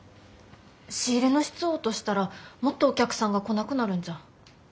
仕入れの質を落としたらもっとお客さんが来なくなるんじゃ。